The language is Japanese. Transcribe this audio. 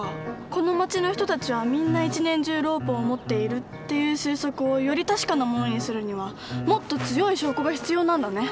この町の人たちはみんな一年中ロープを持っているっていう推測をより確かなものにするにはもっと強い証拠が必要なんだね。